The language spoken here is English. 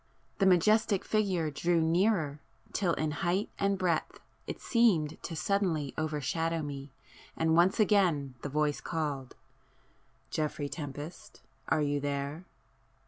The [p 19] majestic figure drew nearer, till in height and breadth it seemed to suddenly overshadow me; and once again the voice called— "Geoffrey Tempest, are you there?"